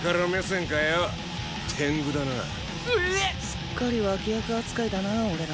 すっかり脇役扱いだな俺ら。